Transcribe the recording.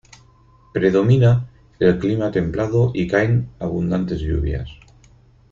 Predomina el clima templado, y caen abundantes lluvias.